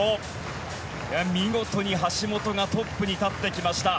見事に橋本がトップに立ってきました。